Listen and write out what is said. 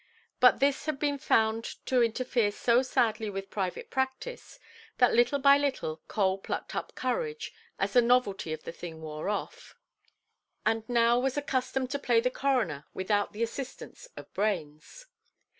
But this had been found to interfere so sadly with private practice, that little by little Cole plucked up courage, as the novelty of the thing wore off, and now was accustomed to play the coroner without the assistance of brains.